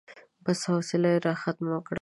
بس، حوصله يې راختمه کړه.